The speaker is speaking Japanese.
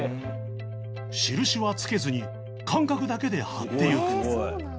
印は付けずに感覚だけで貼っていく